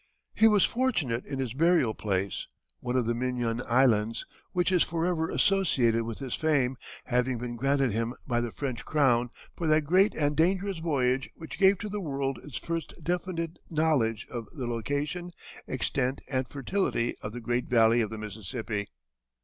He was fortunate in his burial place, one of the Mignan Islands, which is forever associated with his fame, having been granted him by the French Crown for that great and dangerous voyage which gave to the world its first definite knowledge of the location, extent, and fertility of the great valley of the Mississippi.